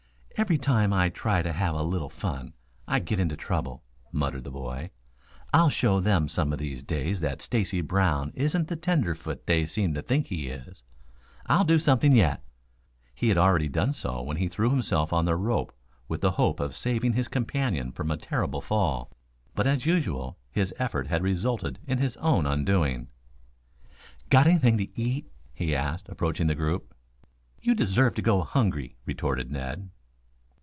"Every time I try to have a little fun I get into trouble," muttered the boy. "I'll show them some of these days that Stacy Brown isn't the tenderfoot they seem to think he is. I'll do something yet." He had already done so when he threw himself on the rope with the hope of saving his companion from a terrible fall. But, as usual, his effort had resulted in his own undoing. "Got anything to eat?" he asked, approaching the group. "You deserve to go hungry," retorted Ned.